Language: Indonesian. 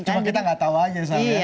cuma kita nggak tahu aja sebenarnya